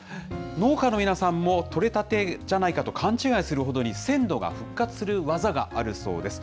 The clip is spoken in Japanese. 農家の皆さんも採れたてじゃないかと勘違いするほどに、鮮度が復活する技があるそうです。